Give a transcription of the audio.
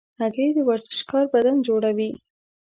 هګۍ د ورزشکار بدن جوړوي.